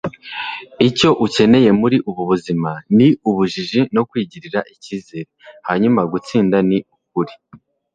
icyo ukeneye muri ubu buzima ni ubujiji no kwigirira icyizere, hanyuma gutsinda ni ukuri